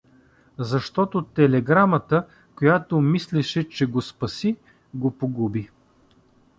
Защото телеграмата, която мислеше, че го спаси, го погуби.